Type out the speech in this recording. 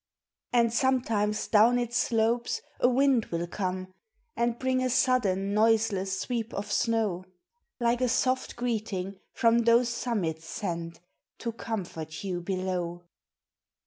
And sometimes down its slopes a wind will come And bring a sudden, noiseless sweep of snow, Like a soft greeting from those summits sent To comfort you below.